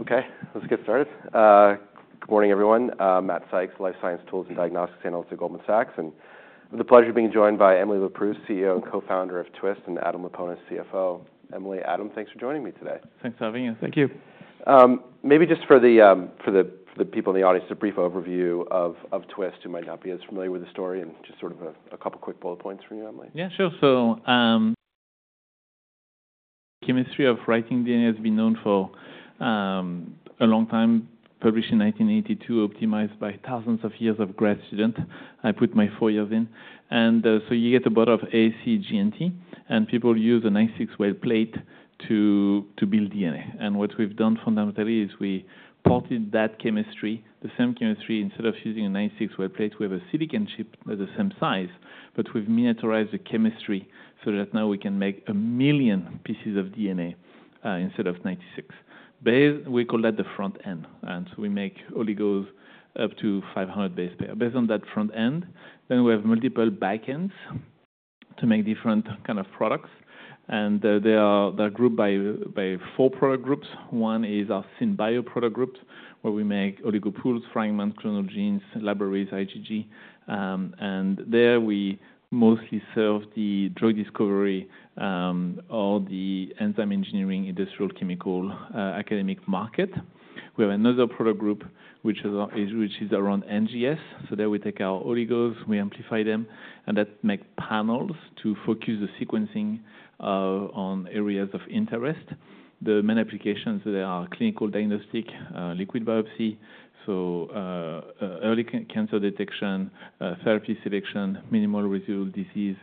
Okay, let's get started. Good morning, everyone. Matt Sykes, Life Science Tools and Diagnostics Analyst at Goldman Sachs, and I have the pleasure of being joined by Emily Leproust, CEO and Co-founder of Twist, and Adam Laponis, CFO. Emily, Adam, thanks for joining me today. Thanks for having us. Thank you. Maybe just for the people in the audience, a brief overview of Twist, who might not be as familiar with the story, and just sort of a couple quick bullet points from you, Emily. Yeah, sure. So, chemistry of writing DNA has been known for a long time, published in 1982, optimized by thousands of years of grad student. I put my four years in. And, so you get a bottle of A, C, G, and T, and people use a 96-well plate to build DNA. And what we've done fundamentally is we ported that chemistry, the same chemistry, instead of using a 96-well plate, we have a silicon chip with the same size, but we've miniaturized the chemistry so that now we can make 1 million pieces of DNA, instead of 96. We call that the front end, and we make oligos up to 500 base pair. Based on that front end, then we have multiple back ends to make different kind of products, and they are, they're grouped by four product groups. One is our SynBio product groups, where we make oligo pools, fragments, clonal genes, libraries, IgG. And there, we mostly serve the drug discovery, or the enzyme engineering, industrial, chemical, academic market. We have another product group, which is around NGS. So there, we take our oligos, we amplify them, and that make panels to focus the sequencing on areas of interest. The main applications, they are clinical diagnostic, liquid biopsy, so early cancer detection, therapy selection, minimal residual disease.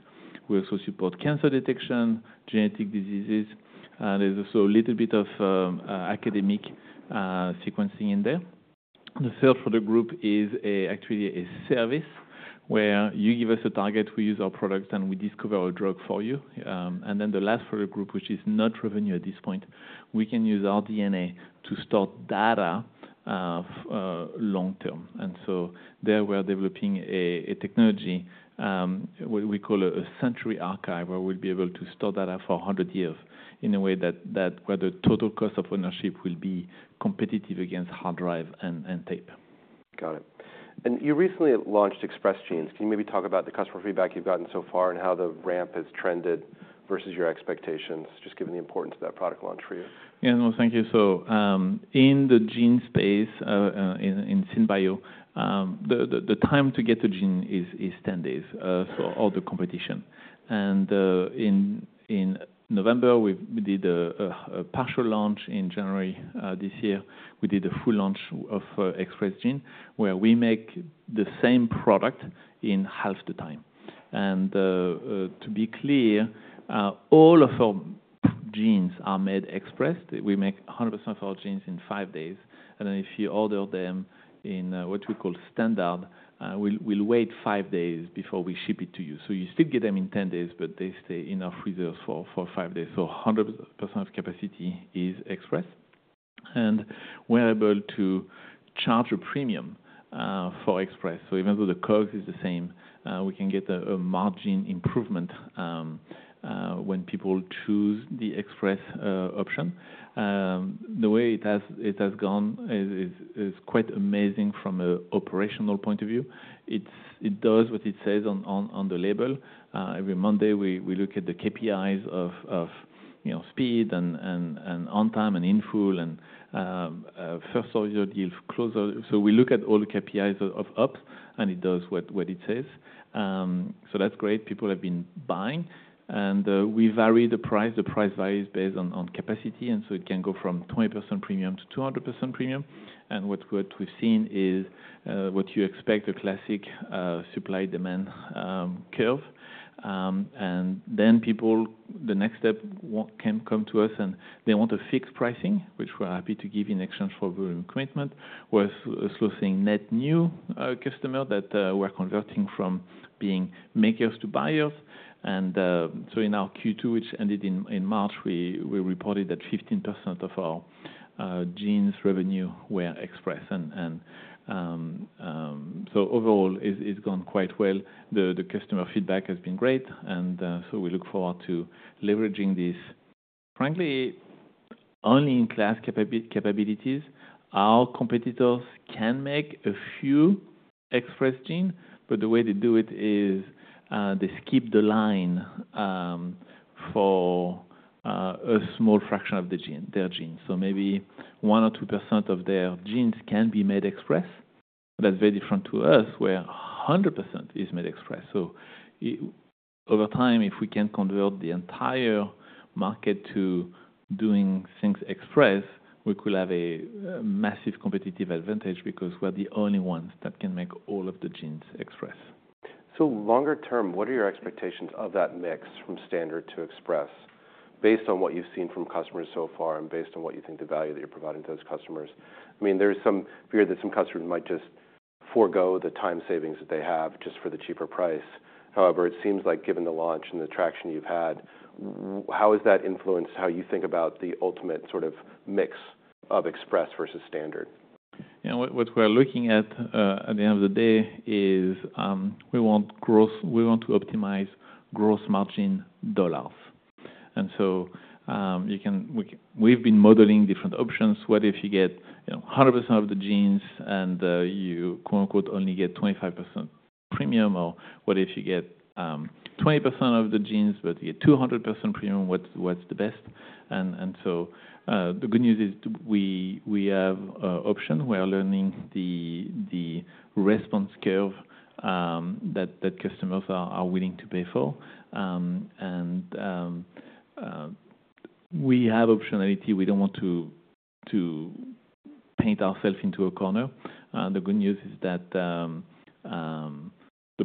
We also support cancer detection, genetic diseases, and there's also a little bit of academic sequencing in there. The third product group is actually a service, where you give us a target, we use our products, and we discover a drug for you. And then the last product group, which is not revenue at this point, we can use our DNA to store data, long term. And so there, we're developing a technology, what we call a Century Archive, where we'll be able to store data for 100 years in a way that where the total cost of ownership will be competitive against hard drive and tape. Got it. And you recently launched Express Genes. Can you maybe talk about the customer feedback you've gotten so far, and how the ramp has trended versus your expectations, just given the importance of that product launch for you? Yeah, no, thank you. So, in the gene space, in Synbio, the time to get the gene is ten days, so all the competition. And, in November, we did a partial launch. In January, this year, we did a full launch of Express Gene, where we make the same product in half the time. And, to be clear, all of our genes are made express. We make 100% of our genes in five days, and then if you order them in what we call standard, we'll wait 5 days before we ship it to you. So you still get them in ten days, but they stay in our freezer for five days. So 100% of capacity is express, and we're able to charge a premium for express. So even though the cost is the same, we can get a margin improvement when people choose the express option. The way it has gone is quite amazing from an operational point of view. It does what it says on the label. Every Monday, we look at the KPIs of, you know, speed and on time and in full and first order deal closer. So we look at all the KPIs of up, and it does what it says. So that's great. People have been buying. And we vary the price. The price varies based on capacity, and so it can go from 20% premium to 200% premium. What we've seen is what you expect, a classic supply-demand curve. And then people, the next step can come to us, and they want a fixed pricing, which we're happy to give in exchange for volume commitment. We're also seeing net new customer that we're converting from being makers to buyers. And so in our Q2, which ended in March, we reported that 15% of our genes revenue were Express. And so overall, it's gone quite well. The customer feedback has been great, and so we look forward to leveraging this. Frankly, only in class capabilities, our competitors can make a few Express Gene, but the way they do it is, they skip the line for a small fraction of the gene, their genes. So maybe 1 or 2% of their genes can be made express. That's very different to us, where 100% is made express. So over time, if we can convert the entire market to doing things express, we could have a massive competitive advantage because we're the only ones that can make all of the genes express. So longer term, what are your expectations of that mix from standard to express, based on what you've seen from customers so far and based on what you think the value that you're providing to those customers? I mean, there's some fear that some customers might just forgo the time savings that they have just for the cheaper price. However, it seems like given the launch and the traction you've had, how has that influenced how you think about the ultimate sort of mix of express versus standard?... You know, what we're looking at at the end of the day is we want growth—we want to optimize growth margin dollars. And so you can—we've been modeling different options. What if you get, you know, 100% of the genes and you quote unquote only get 25% premium? Or what if you get 20% of the genes, but you get 200% premium, what's the best? And so the good news is we—we have option. We are learning the response curve that customers are willing to pay for. And we have optionality. We don't want to paint ourselves into a corner. The good news is that the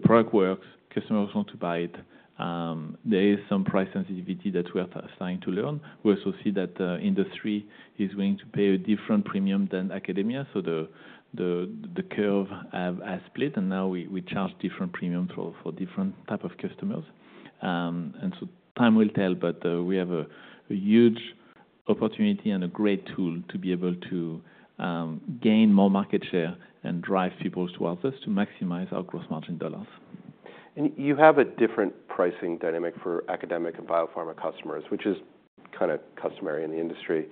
product works, customers want to buy it. There is some price sensitivity that we are trying to learn. We also see that industry is going to pay a different premium than academia, so the curve has split, and now we charge different premium for different type of customers. And so time will tell, but we have a huge opportunity and a great tool to be able to gain more market share and drive people towards us to maximize our gross margin dollars. You have a different pricing dynamic for academic and biopharma customers, which is kinda customary in the industry.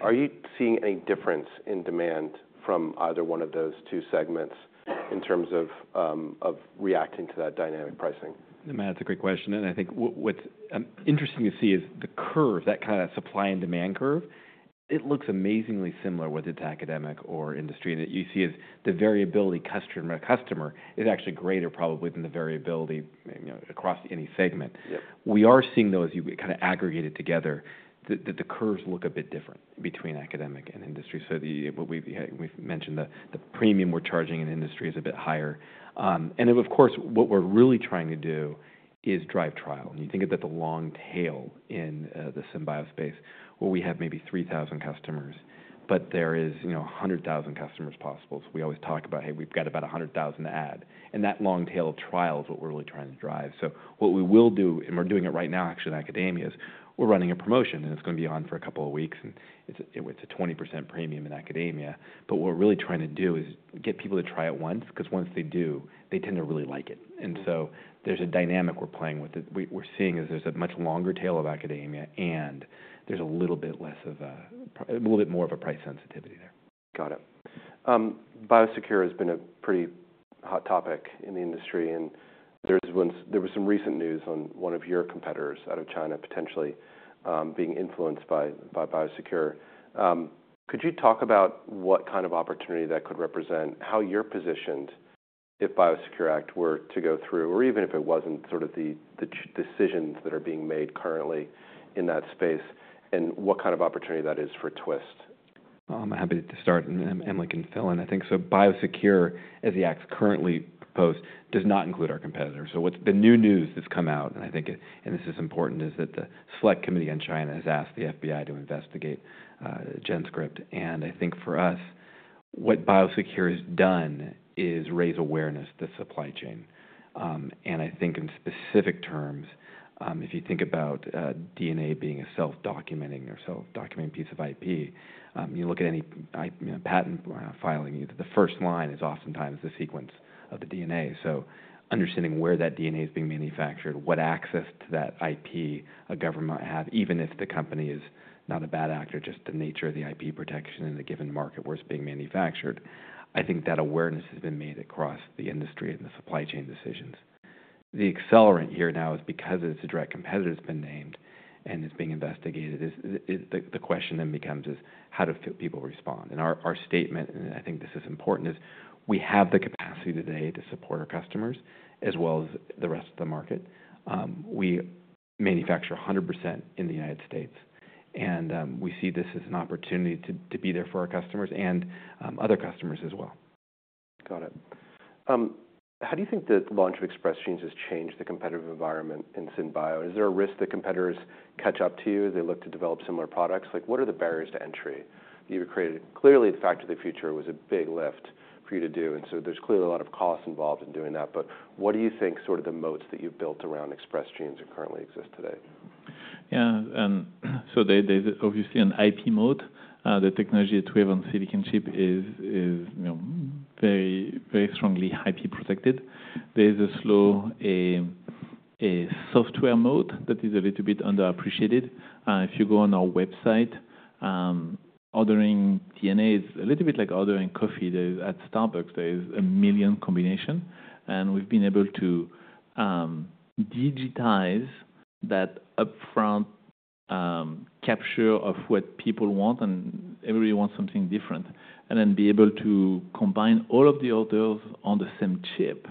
Are you seeing a difference in demand from either one of those two segments in terms of reacting to that dynamic pricing? Matt, it's a great question, and I think what's interesting to see is the curve, that kinda supply and demand curve. It looks amazingly similar, whether it's academic or industry, that you see is the variability customer by customer is actually greater probably than the variability, you know, across any segment. Yep. We are seeing, though, as you kind of aggregate it together, that the curves look a bit different between academic and industry. So what we've mentioned, the premium we're charging in industry is a bit higher. And then, of course, what we're really trying to do is drive trial. When you think about the long tail in the Synbio space, where we have maybe 3,000 customers, but there is, you know, 100,000 customers possible. So we always talk about, "Hey, we've got about 100,000 to add," and that long tail of trial is what we're really trying to drive. So what we will do, and we're doing it right now actually in academia, is we're running a promotion, and it's gonna be on for a couple of weeks, and it's a 20% premium in academia. But what we're really trying to do is get people to try it once, 'cause once they do, they tend to really like it. And so there's a dynamic we're playing with it. We're seeing is there's a much longer tail of academia, and there's a little bit less of a a little bit more of a price sensitivity there. Got it. BioSecure has been a pretty hot topic in the industry, and there was some recent news on one of your competitors out of China, potentially being influenced by BioSecure. Could you talk about what kind of opportunity that could represent, how you're positioned if BioSecure Act were to go through, or even if it wasn't sort of the decisions that are being made currently in that space, and what kind of opportunity that is for Twist? I'm happy to start, and, Emily can fill in. I think so BioSecure, as the Act's currently proposed, does not include our competitors. So what's the new news that's come out, and I think it, and this is important, is that the Select Committee on China has asked the FBI to investigate, GenScript. And I think for us, what BioSecure has done is raise awareness to the supply chain. And I think in specific terms, if you think about, DNA being a self-documenting or self-documenting piece of IP, you look at any, you know, patent, filing, the first line is oftentimes the sequence of the DNA. So understanding where that DNA is being manufactured, what access to that IP a government might have, even if the company is not a bad actor, just the nature of the IP protection in a given market where it's being manufactured, I think that awareness has been made across the industry and the supply chain decisions. The accelerant here now is because it's a direct competitor that's been named and is being investigated, the question then becomes, how do people respond? Our statement, and I think this is important, is we have the capacity today to support our customers as well as the rest of the market. We manufacture 100% in the United States, and we see this as an opportunity to be there for our customers and other customers as well. Got it. How do you think the launch of Express Genes has changed the competitive environment in Synbio? Is there a risk that competitors catch up to you as they look to develop similar products? Like, what are the barriers to entry you've created? Clearly, the Factory of the Future was a big lift for you to do, and so there's clearly a lot of costs involved in doing that. But what do you think sort of the moats that you've built around Express Genes that currently exist today? Yeah, and so there's obviously an IP moat. The technology that we have on silicon chip is, you know, very, very strongly IP protected. There's also a software moat that is a little bit underappreciated. If you go on our website, ordering DNA is a little bit like ordering coffee. There's 1 million combinations at Starbucks, and we've been able to digitize that upfront capture of what people want, and everybody wants something different, and then be able to combine all of the orders on the same chip.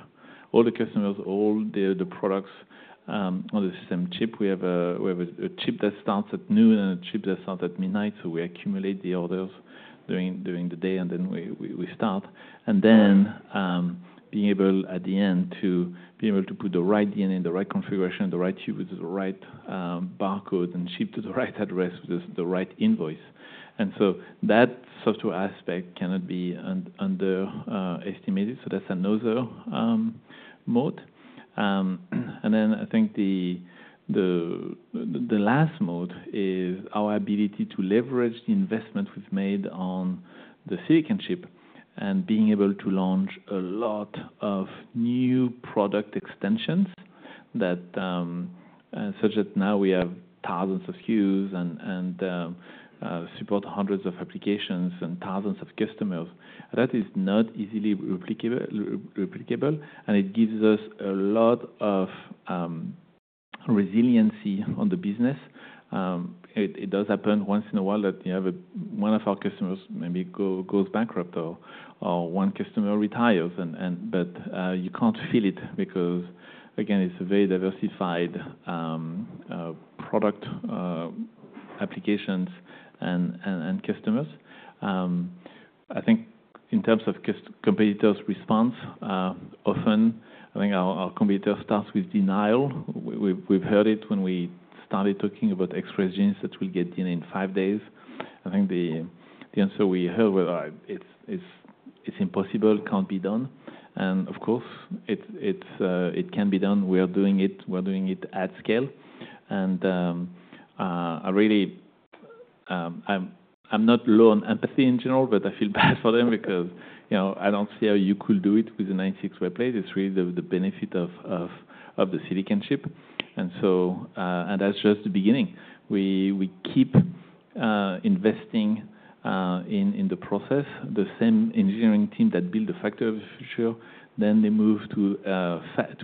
All the customers, all the products on the same chip. We have a chip that starts at 12:00 P.M. and a chip that starts at 12:00 A.M., so we accumulate the orders during the day, and then we start. And then, at the end, being able to put the right DNA in the right configuration, the right tube with the right barcode, and ship to the right address with the right invoice. And so that software aspect cannot be underestimated, so that's another moat. And then I think the last moat is our ability to leverage the investment we've made on the Silicon chip and being able to launch a lot of new product extensions that such that now we have thousands of SKUs and support hundreds of applications and thousands of customers. That is not easily replicable, and it gives us a lot of resiliency on the business. It does happen once in a while that you have one of our customers maybe goes bankrupt or one customer retires, but you can't feel it because, again, it's a very diversified product applications and customers. I think in terms of competitors' response, often, I think our competitor starts with denial. We've heard it when we started talking about Express Genes that we get in five days. I think the answer we heard were it's impossible, can't be done. And of course, it can be done. We are doing it. We're doing it at scale. I really, I'm not low on empathy in general, but I feel bad for them because, you know, I don't see how you could do it with a 96-well plate. It's really the benefit of the silicon chip. And so, and that's just the beginning. We keep investing in the process, the same engineering team that build the Factory of the Future, then they move to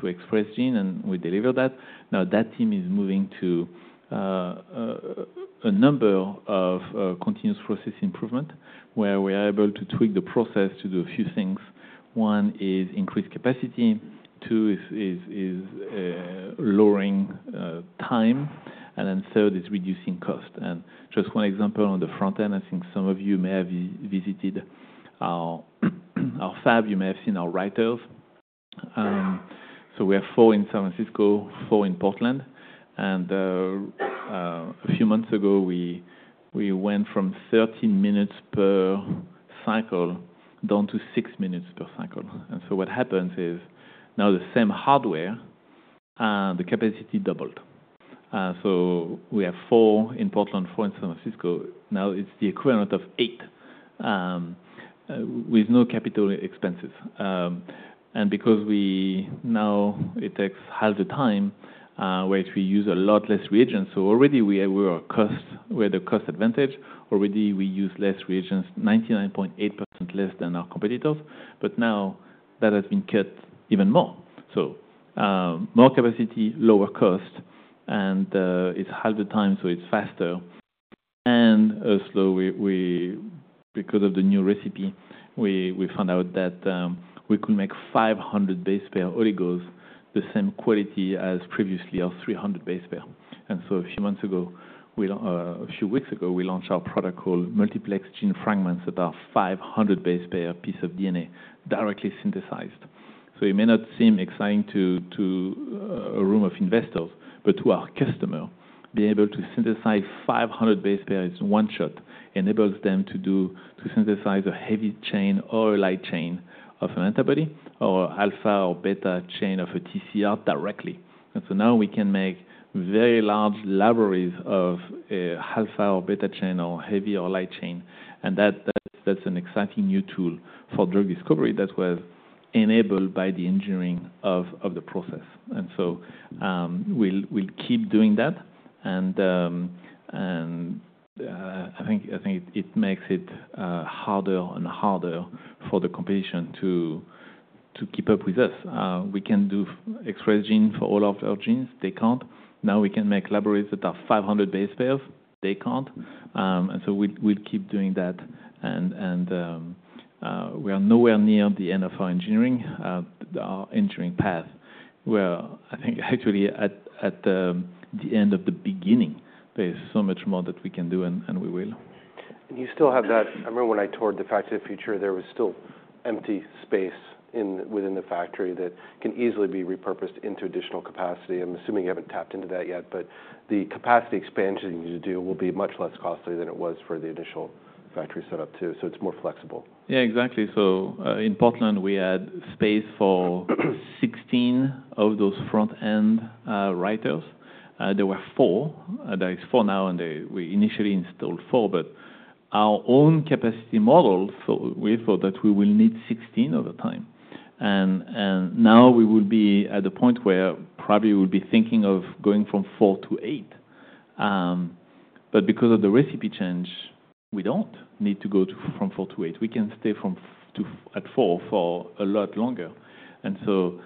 Express Gene, and we deliver that. Now, that team is moving to a number of continuous process improvement, where we are able to tweak the process to do a few things. One is increased capacity, two is lowering time, and then third is reducing cost. Just one example on the front end, I think some of you may have visited our fab, you may have seen our writers. So we have four in San Francisco, four in Portland, and a few months ago, we went from 13 minutes per cycle down to six minutes per cycle. And so what happens is, now the same hardware, the capacity doubled. So we have four in Portland, four in San Francisco. Now, it's the equivalent of eight with no capital expenses. And because now it takes half the time, which we use a lot less reagents. So already we had a cost advantage. Already, we use less reagents, 99.8% less than our competitors, but now that has been cut even more. So, more capacity, lower cost, and it's half the time, so it's faster. And so, because of the new recipe, we found out that we could make 500 base pair oligos, the same quality as previously our 300 base pair. And so a few months ago, a few weeks ago, we launched our product called Multiplexed Gene Fragments, about 500 base pair piece of DNA, directly synthesized. So it may not seem exciting to a room of investors, but to our customer, being able to synthesize 500 base pairs in one shot, enables them to do, to synthesize a heavy chain or a light chain of an antibody, or alpha or beta chain of a TCR directly. And so now we can make very large libraries of alpha or beta chain or heavy or light chain, and that's an exciting new tool for drug discovery that was enabled by the engineering of the process. And so we'll keep doing that. And, and I think it makes it harder and harder for the competition to keep up with us. We can do Express Gene for all of our genes. They can't. Now, we can make libraries that are 500 base pairs. They can't. And so we'll keep doing that. And, and we are nowhere near the end of our engineering, our engineering path, where I think actually at the end of the beginning, there is so much more that we can do, and we will. I remember when I toured the Factory of the Future, there was still empty space within the factory that can easily be repurposed into additional capacity. I'm assuming you haven't tapped into that yet, but the capacity expansion you do will be much less costly than it was for the initial factory set up, too, so it's more flexible. Yeah, exactly. So, in Portland, we had space for 16 of those front-end writers. There were four, there is four now, and we initially installed four, but our own capacity model, so we thought that we will need 16 over time. And now we will be at the point where probably we'll be thinking of going from four to eight. But because of the recipe change, we don't need to go from four to eight. We can stay at four for a lot longer. And so,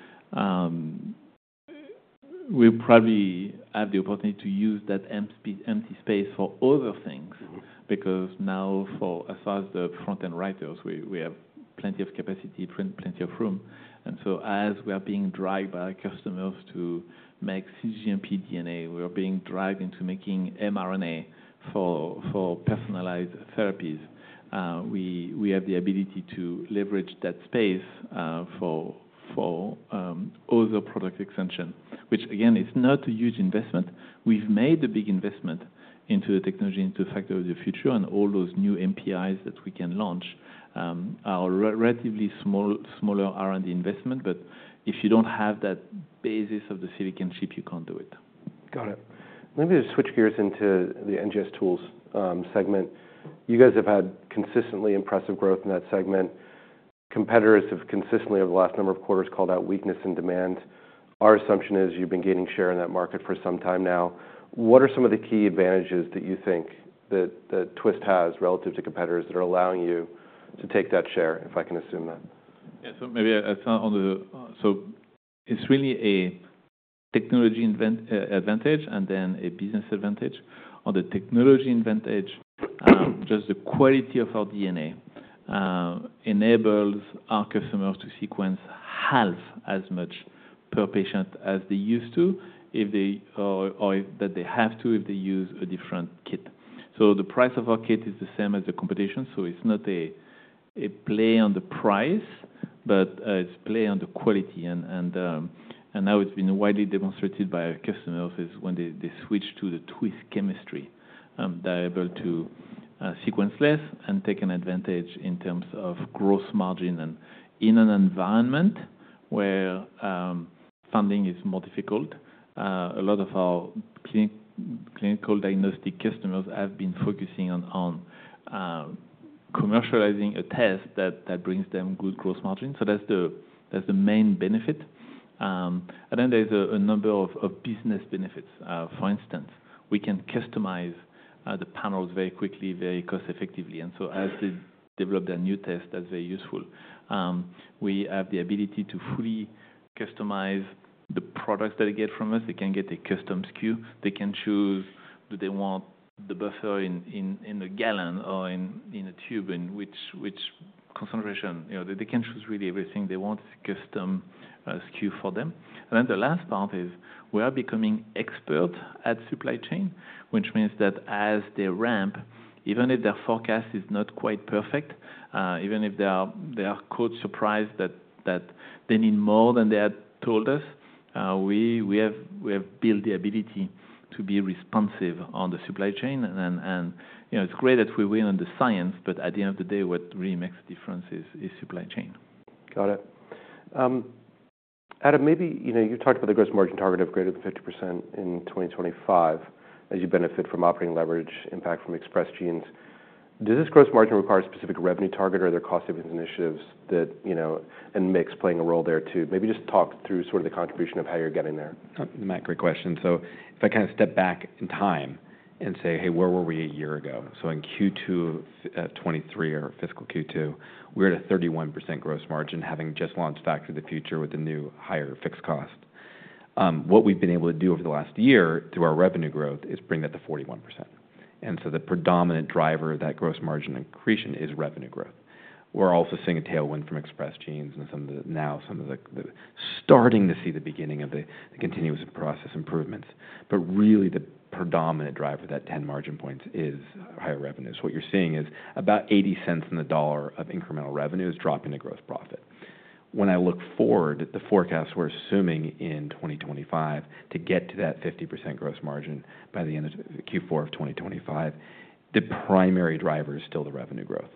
we'll probably have the opportunity to use that empty space for other things- Mm-hmm. Because now for as far as the front end writers, we have plenty of capacity, plenty of room. And so as we are being driven by customers to make cGMP DNA, we are being driven into making mRNA for personalized therapies. We have the ability to leverage that space for other product extension, which again, is not a huge investment. We've made the big investment into the technology, into the Factory of the Future, and all those new NPIs that we can launch are relatively smaller R&D investment, but if you don't have that basis of the silicon chip, you can't do it.... Got it. Let me just switch gears into the NGS tools segment. You guys have had consistently impressive growth in that segment. Competitors have consistently, over the last number of quarters, called out weakness in demand. Our assumption is you've been gaining share in that market for some time now. What are some of the key advantages that you think that Twist has relative to competitors, that are allowing you to take that share, if I can assume that? Yeah, so maybe I start on the— So it's really a technology advantage and then a business advantage. On the technology advantage, just the quality of our DNA enables our customers to sequence half as much per patient as they used to, or if they have to, if they use a different kit. So the price of our kit is the same as the competition, so it's not a play on the price, but it's play on the quality. And now it's been widely demonstrated by our customers is when they switch to the Twist chemistry, they're able to sequence less and take an advantage in terms of growth margin. In an environment where funding is more difficult, a lot of our clinical diagnostic customers have been focusing on commercializing a test that brings them good growth margin. So that's the main benefit. And then there's a number of business benefits. For instance, we can customize the panels very quickly, very cost effectively. And so as they develop their new test, that's very useful. We have the ability to fully customize the products that they get from us. They can get a custom SKU. They can choose, do they want the buffer in a gallon or in a tube, in which concentration? You know, they can choose really everything they want, custom SKU for them. And then the last part is, we are becoming expert at supply chain, which means that as they ramp, even if their forecast is not quite perfect, even if they are caught surprised that they need more than they had told us, we have built the ability to be responsive on the supply chain. And then, you know, it's great that we win on the science, but at the end of the day, what really makes a difference is supply chain. Got it. Adam, maybe, you know, you talked about the gross margin target of greater than 50% in 2025, as you benefit from operating leverage, impact from Express Genes. Does this gross margin require a specific revenue target, or are there cost savings initiatives that, you know, and mix playing a role there, too? Maybe just talk through sort of the contribution of how you're getting there. Matt, great question. So if I kind of step back in time and say, "Hey, where were we a year ago?" So in Q2 of 2023 or fiscal Q2, we were at a 31% gross margin, having just launched Back to the Future with the new higher fixed cost. What we've been able to do over the last year, through our revenue growth, is bring that to 41%. And so the predominant driver of that gross margin accretion is revenue growth. We're also seeing a tailwind from Express Genes and some of the starting to see the beginning of the continuous process improvements. But really, the predominant driver of that ten margin points is higher revenues. What you're seeing is about 80 cents on the dollar of incremental revenue is dropping to gross profit. When I look forward, the forecasts we're assuming in 2025, to get to that 50% gross margin by the end of Q4 of 2025, the primary driver is still the revenue growth.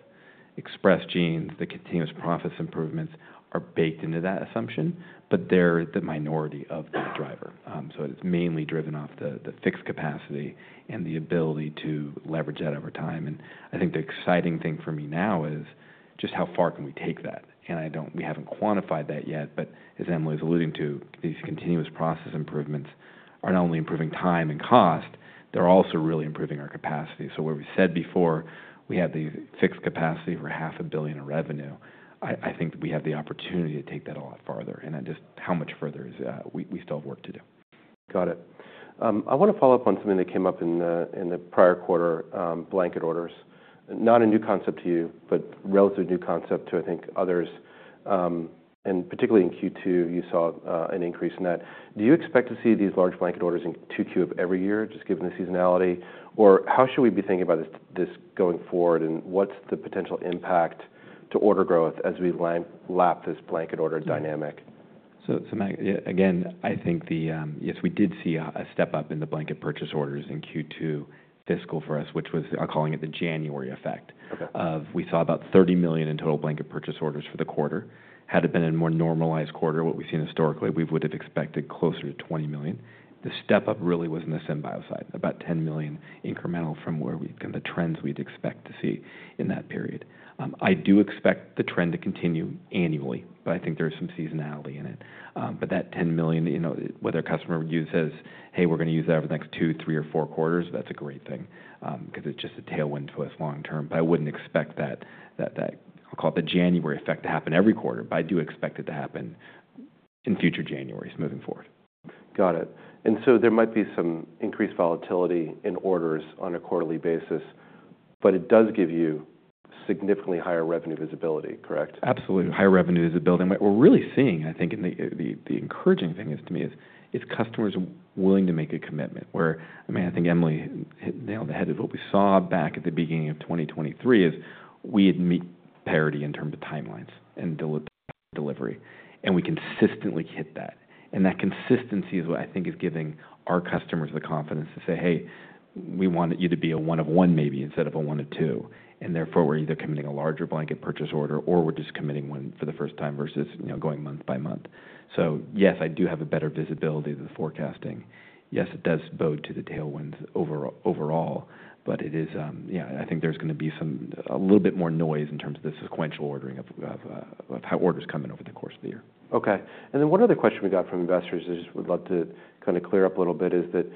Express Genes, the continuous process improvements are baked into that assumption, but they're the minority of that driver. So it's mainly driven off the fixed capacity and the ability to leverage that over time. And I think the exciting thing for me now is, just how far can we take that? And I don't, we haven't quantified that yet, but as Emily was alluding to, these continuous process improvements aren't only improving time and cost, they're also really improving our capacity. So where we said before, we had the fixed capacity for $500 million in revenue, I think we have the opportunity to take that a lot farther. Just how much further is, we still have work to do. Got it. I want to follow up on something that came up in the prior quarter, blanket orders. Not a new concept to you, but relatively new concept to, I think, others. And particularly in Q2, you saw an increase in that. Do you expect to see these large blanket orders in Q2 of every year, just given the seasonality? Or how should we be thinking about this going forward, and what's the potential impact to order growth as we lap this blanket order dynamic? Matt, yeah, again, I think the... Yes, we did see a step up in the blanket purchase orders in Q2 fiscal for us, which was calling it the January Effect. Okay. We saw about $30 million in total blanket purchase orders for the quarter. Had it been a more normalized quarter, what we've seen historically, we would have expected closer to $20 million. The step up really was in the SynBio side, about $10 million incremental from where we-- the trends we'd expect to see in that period. I do expect the trend to continue annually, but I think there is some seasonality in it. But that $10 million, you know, whether a customer would use it as: Hey, we're gonna use that over the next two, three, or four quarters, that's a great thing, because it's just a tailwind to us long term. But I wouldn't expect that, that, that, I'll call it the January effect, to happen every quarter, but I do expect it to happen in future Januaries moving forward. Got it. And so there might be some increased volatility in orders on a quarterly basis, but it does give you significantly higher revenue visibility, correct? Absolutely. Higher revenue is building, but what we're really seeing, I think, and the encouraging thing is to me, is customers are willing to make a commitment. Where, I mean, I think Emily hit the nail on the head of what we saw back at the beginning of 2023, is we had met parity in terms of timelines and delivery, and we consistently hit that. And that consistency is what I think is giving our customers the confidence to say, "Hey, we want you to be a one of one maybe, instead of a one of two. And therefore, we're either committing a larger blanket purchase order, or we're just committing one for the first time versus, you know, going month by month." So yes, I do have a better visibility to the forecasting. Yes, it does bode to the tailwinds overall, but it is, yeah, I think there's gonna be some a little bit more noise in terms of the sequential ordering of how orders come in over the course of the year. Okay. And then one other question we got from investors is we'd love to kind of clear up a little bit. Is that, you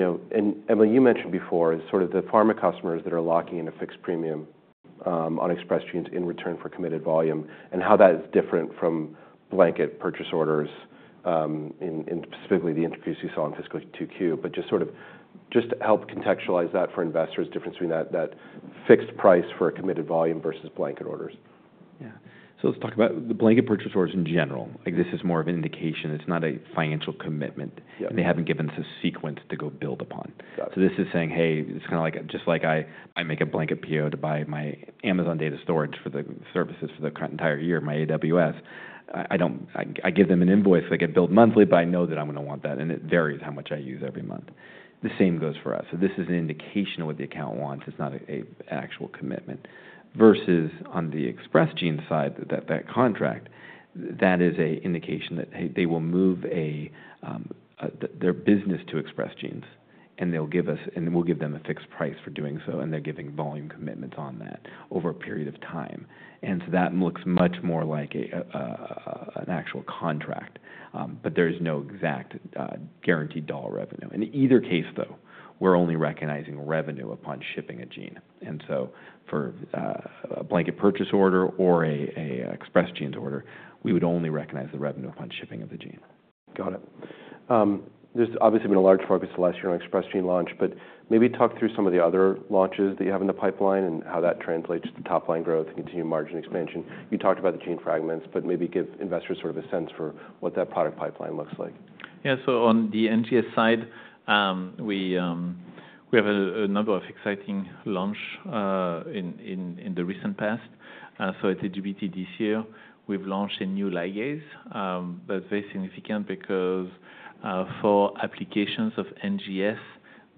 know, and Emily, you mentioned before, is sort of the pharma customers that are locking in a fixed premium on Express Genes in return for committed volume, and how that is different from blanket purchase orders, in specifically the increase you saw in fiscal 2Q. But just sort of just to help contextualize that for investors, difference between that, that fixed price for a committed volume versus blanket orders. Yeah. Let's talk about the blanket purchase orders in general. Like, this is more of an indication, it's not a financial commitment- Yeah. and they haven't given us a sequence to go build upon. Got it. So this is saying, hey, it's kinda like, just like I make a blanket PO to buy my Amazon data storage for the services for the current entire year, my AWS. I don't, I give them an invoice, I get billed monthly, but I know that I'm gonna want that, and it varies how much I use every month. The same goes for us. So this is an indication of what the account wants, it's not an actual commitment. Versus on the Express Gene side, that contract, that is an indication that, hey, they will move their business to Express Genes, and they'll give us, and we'll give them a fixed price for doing so, and they're giving volume commitments on that over a period of time. And so that looks much more like an actual contract. But there's no exact, guaranteed dollar revenue. In either case, though, we're only recognizing revenue upon shipping a gene. And so for a blanket purchase order or a Express Genes order, we would only recognize the revenue upon shipping of the gene. Got it. There's obviously been a large focus the last year on Express Gene launch, but maybe talk through some of the other launches that you have in the pipeline, and how that translates to top line growth and continued margin expansion. You talked about the gene fragments, but maybe give investors sort of a sense for what that product pipeline looks like. Yeah. So on the NGS side, we have a number of exciting launch in the recent past. So at AGBT this year, we've launched a new ligase, that's very significant because, for applications of NGS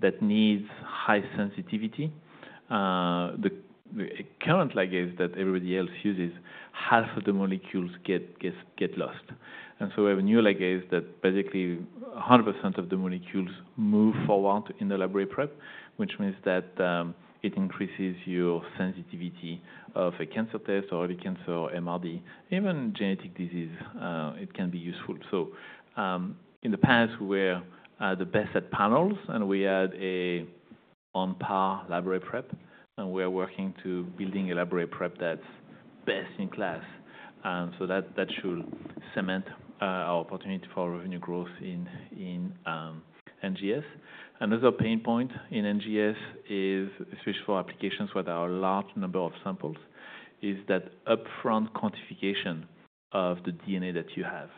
that needs high sensitivity, the current ligase that everybody else uses, half of the molecules get lost. And so we have a new ligase that basically 100% of the molecules move forward in the library prep, which means that, it increases your sensitivity of a cancer test or early cancer MRD, even genetic disease, it can be useful. So, in the past, we were the best at panels, and we had a on par library prep, and we are working to building a library prep that's best in class. So that, that should cement our opportunity for revenue growth in NGS. Another pain point in NGS is, especially for applications where there are a large number of samples, is that upfront quantification of the DNA that you have.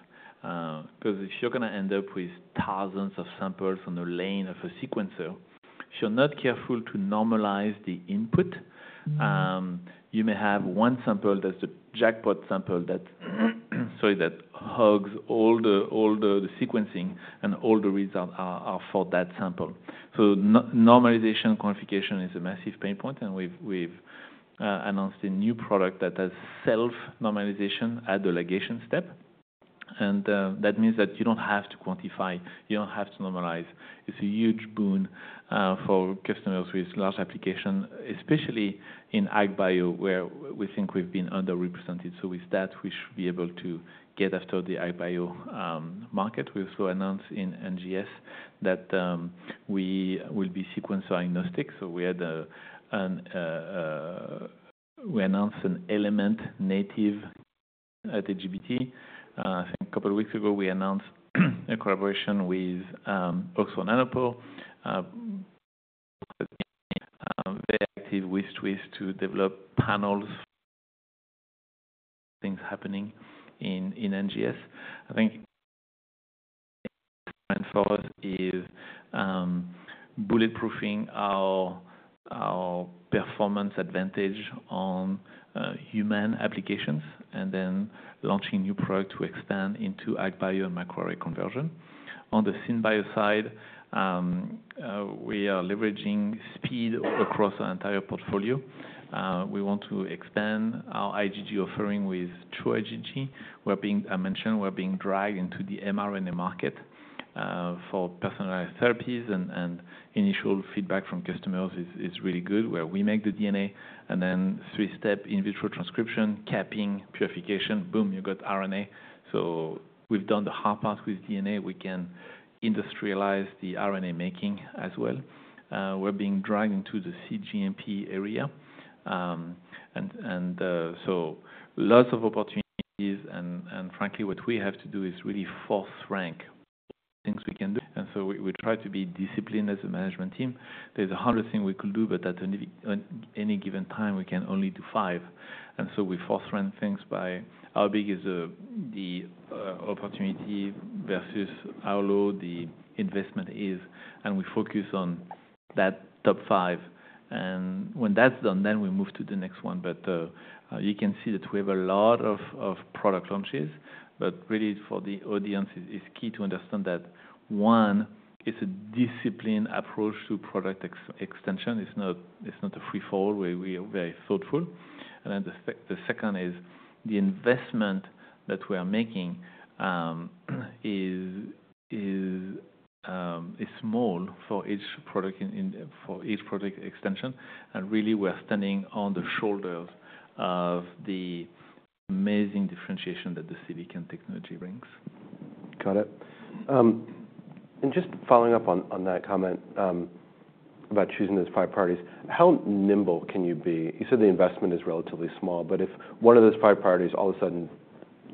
Because if you're gonna end up with thousands of samples on the lane of a sequencer, if you're not careful to normalize the input- Mm-hmm. You may have one sample that's the jackpot sample that, sorry, that hogs all the sequencing, and all the results are for that sample. So normalization quantification is a massive pain point, and we've announced a new product that has self-normalization at the ligation step. And that means that you don't have to quantify, you don't have to normalize. It's a huge boon for customers with large application, especially in AgBio, where we think we've been underrepresented. So with that, we should be able to get after the AgBio market. We also announced in NGS that we will be sequence diagnostic, so we announced an Element-native at AGBT. I think a couple of weeks ago, we announced a collaboration with Oxford Nanopore... Very active with Twist to develop panels, things happening in NGS. I think going forward is bulletproofing our performance advantage on human applications, and then launching new product to expand into AgBio and microarray conversion. On the SynBio side, we are leveraging speed across our entire portfolio. We want to expand our IgG offering with true IgG. We're being—I mentioned, we're being dragged into the mRNA market for personalized therapies, and initial feedback from customers is really good, where we make the DNA, and then three-step in vitro transcription, capping, purification, boom, you've got RNA. So we've done the hard part with DNA. We can industrialize the RNA making as well. We're being dragged into the cGMP area. and so lots of opportunities, and frankly, what we have to do is really force rank things we can do. And so we try to be disciplined as a management team. There's 100 things we could do, but at any given time, we can only do five. And so we force rank things by how big is the opportunity versus how low the investment is, and we focus on that top five, and when that's done, then we move to the next one. But you can see that we have a lot of product launches, but really for the audience, it is key to understand that one, it's a disciplined approach to product extension. It's not a free-for-all, where we are very thoughtful. And then the second is, the investment that we are making is small for each product for each product extension, and really, we're standing on the shoulders of the amazing differentiation that the silicon technology brings. Got it. And just following up on that comment about choosing those five priorities, how nimble can you be? You said the investment is relatively small, but if one of those five priorities all of a sudden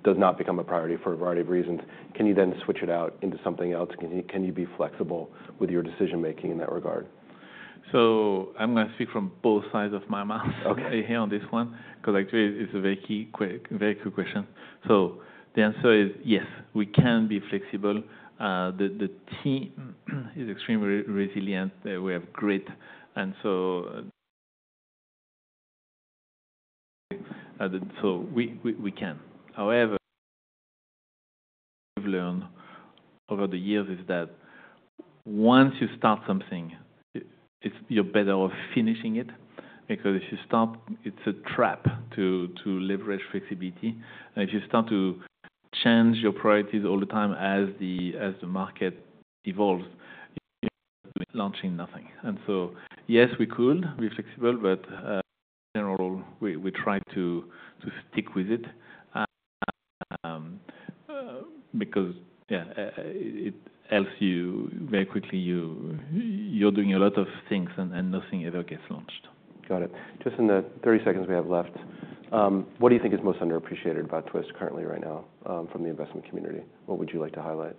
does not become a priority for a variety of reasons, can you then switch it out into something else? Can you be flexible with your decision-making in that regard? I'm gonna speak from both sides of my mouth- Okay. Here on this one, because actually, it's a very key question. Very good question. So the answer is yes, we can be flexible. The team is extremely resilient. We have great... And so, we can. However, we've learned over the years that once you start something, you're better off finishing it, because if you stop, it's a trap to leverage flexibility. And if you start to change your priorities all the time, as the market evolves, launching nothing. And so, yes, we could be flexible, but in general, we try to stick with it. Because, yeah, it helps you very quickly, you're doing a lot of things and nothing ever gets launched. Got it. Just in the 30 seconds we have left, what do you think is most underappreciated about Twist currently right now, from the investment community? What would you like to highlight?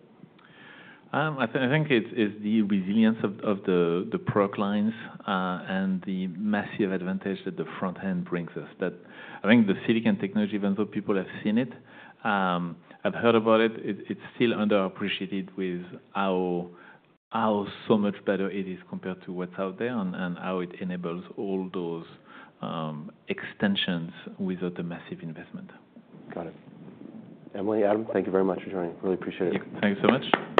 I think it's the resilience of the product lines and the massive advantage that the front end brings us. But I think the silicon technology, even though people have seen it, have heard about it, it's still underappreciated with how so much better it is compared to what's out there, and how it enables all those extensions without the massive investment. Got it. Emily, Adam, thank you very much for joining. Really appreciate it. Thank you so much.